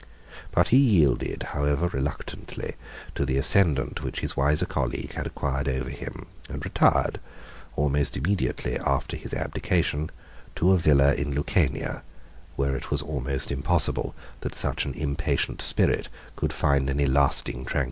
But he yielded, however reluctantly, to the ascendant which his wiser colleague had acquired over him, and retired, immediately after his abdication, to a villa in Lucania, where it was almost impossible that such an impatient spirit could find any lasting tranquility.